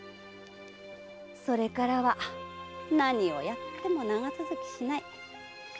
それからは何をやっても長続きしない。